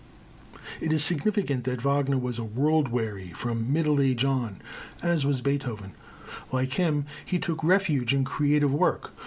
It is significant that Wagner was as world weary from middle age on as was Beethoven. Like him he took refuge in creative work.